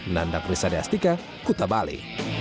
nandak risa dastika kuta bali